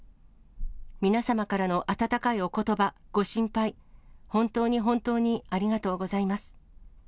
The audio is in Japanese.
皆様からの温かいおことば、ご心配、本当に本当にありがとうございます。